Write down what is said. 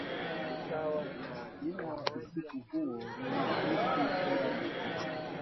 Mwana alikuwa nasoma